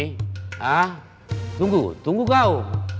hah tunggu tunggu kau